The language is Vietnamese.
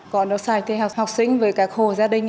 còn học sinh với các hồ gia đình